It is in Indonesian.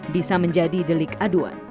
bisa menjadi delik aduan